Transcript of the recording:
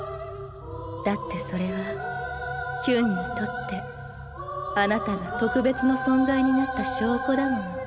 だってそれはヒュンにとってあなたが特別の存在になった証拠だもの。